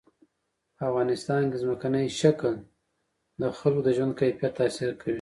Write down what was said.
په افغانستان کې ځمکنی شکل د خلکو د ژوند کیفیت تاثیر کوي.